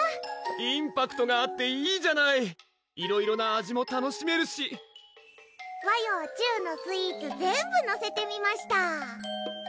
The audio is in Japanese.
インパクトがあっていいじゃないいろいろな味も楽しめるし和洋中のスイーツ全部のせてみました